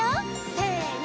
せの！